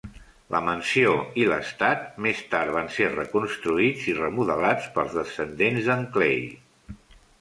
La mansió i l'estat, més tard van ser reconstruïts i remodelats pels descendents d'en Clay.